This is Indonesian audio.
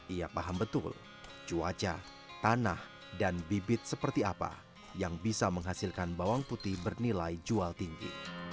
ia paham betul cuaca tanah dan bibit seperti apa yang bisa menghasilkan bawang putih bernilai jual tinggi